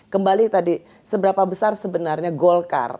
kembali tadi seberapa besar sebenarnya golkar